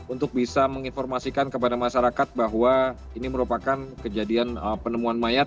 untuk bisa menginformasikan kepada masyarakat bahwa ini merupakan kejadian penemuan mayat